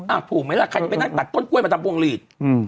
ถูกไหมล่ะใครจะไปนั่งตัดต้นกล้วยมาทำพวงหลีด